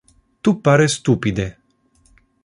Tu pare stupide.